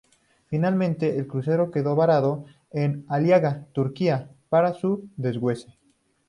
Finalmente, el crucero quedó varado en Aliaga, Turquía, para su desguace.